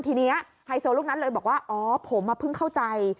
ทีนี้ไฮโซลูกนั้นเลยบอกว่าอ๋อผมเพิ่งเข้าใจ